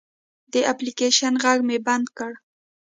د اپلیکیشن غږ مې بند کړ.